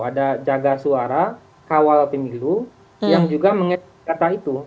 ada jaga suara kawal pemilu yang juga mengecek data itu